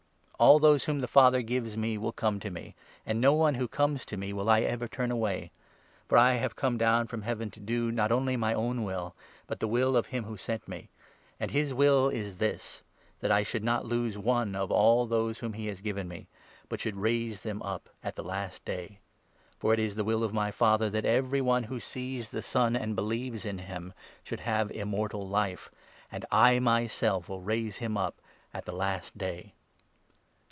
All 37 those whom the Father gives me will come to me ; and no one who comes to me will I ever turn away. For I have come down 38 from Heaven, to do, not my own will, but the will of him who sent me ; and his will is this— that I should not lose one of all 39 those whom he has given me, but should raise them up at the Last Day. For it is the will of my Father that every one who 40 sees the Son, and believes in him, should have Immortal Life ; and I myself will raise him up at the Last Day."